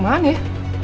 masa ada tiga deh